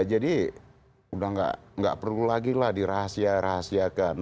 jadi sudah tidak perlu lagi lah dirahasiakan